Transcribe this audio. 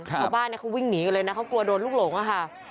ชาวบ้านเขาวิ่งหนีกันเลยนะเขากลัวโดนลูกหลงอะค่ะ